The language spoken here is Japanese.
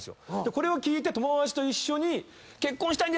これを聞いて友達と一緒に。